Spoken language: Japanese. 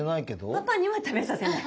パパには食べさせない。